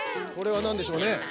これはなんでしょうね？